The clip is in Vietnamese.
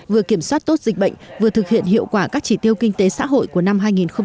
vừa kiểm soát tốt dịch bệnh vừa thực hiện hiệu quả các chỉ tiêu kinh tế xã hội của năm hai nghìn hai mươi